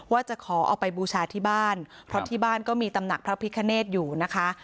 ว่าจะขอเอาไปบูชาที่บ้านเพราะที่บ้านก็มีตำหนักพระพิคเนตอยู่นะคะ